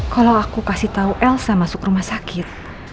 kalau aku kasih tahu elsa masuk rumah sakit